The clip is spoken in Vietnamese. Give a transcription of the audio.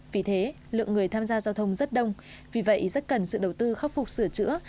vì thế lượng người tham gia giao thông rất đông vì vậy rất cần sự đầu tư khắc phục sửa chữa